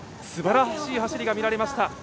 すばらしい走りが見られました。